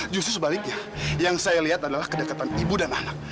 justru sebaliknya yang saya lihat adalah kedekatan ibu dan anak